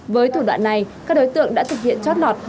với thủ đoạn này các đối tượng đã thực hiện chót lọt